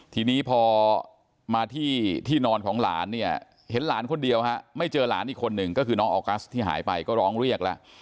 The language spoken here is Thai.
ทีนี้พอมาที่ที่นอนของหลานเนี่ยเห็นหลานคนเดียวฮะไม่เจอหลานอีกคนหนึ่งก็คือน้องออกัสที่หายไปก็ร้องเรียกแล้ว